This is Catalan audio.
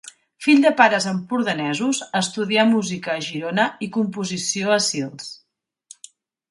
Fill de pares empordanesos, estudià música a Girona i composició a Sils.